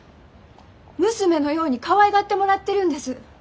娘のようにかわいがってもらってるんです。